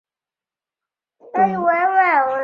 董宪与庞萌退守郯城。